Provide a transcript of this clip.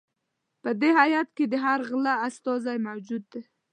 په دې هیات کې د هر غله استازی موجود دی.